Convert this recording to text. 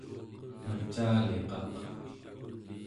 mecaliqaq